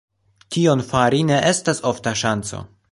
Tion fari ne estas ofta ŝanco.